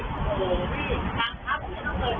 หรือวัวฝีไส้ตะแกรง